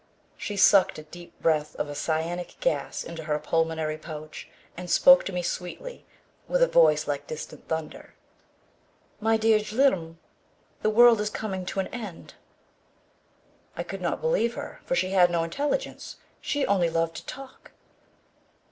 She sucked a deep breath of cyanic gas into her pulmonary pouch and spoke to me sweetly with a voice like distant thunder. "My dear Yljm, the world is coming to an end." I could not believe her, for she had no intelligence. She only loved to talk.